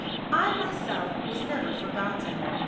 I, myself was never forgotten.